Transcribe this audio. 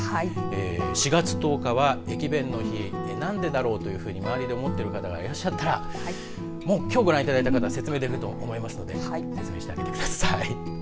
４月１０日は駅弁の日なんでだろうというふうに周りで思っている方がいらっしゃったらもう、きょうご覧いただいた方は説明できると思いますので説明してあげてください。